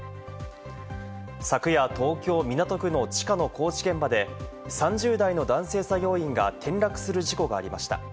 昨夜、東京・港区の地下の工事現場で３０代の男性作業員が転落する事故がありました。